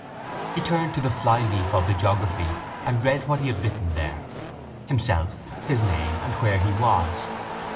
He turned to the flyleaf of the geography and read what he had written there: himself, his name and where he was.